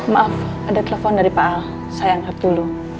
maaf ada telepon dari pak al sayang hati dulu